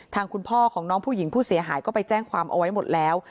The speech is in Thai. คุณพ่อของน้องผู้หญิงผู้เสียหายก็ไปแจ้งความเอาไว้หมดแล้ว